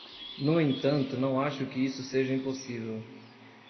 No entanto, não acho que isso seja impossível.